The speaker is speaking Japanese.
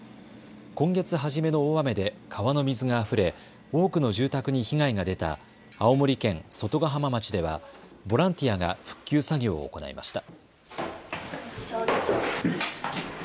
今月初めの大雨で川の水があふれ多くの住宅に被害が出た青森県外ヶ浜町ではボランティアが復旧作業を行いました。